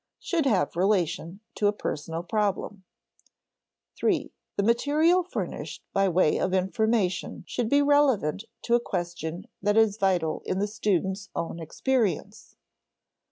[Sidenote: should have relation to a personal problem,] (iii) The material furnished by way of information should be relevant to a question that is vital in the student's own experience.